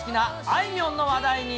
あいみょんの話題に。